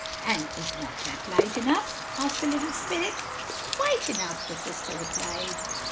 "And is not that light enough?" asked the little spirit. "Quite enough," the sister replied.